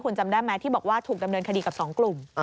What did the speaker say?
คุณจำได้ไหมที่บอกว่าถูกดำเนินคดีกับ๒กลุ่ม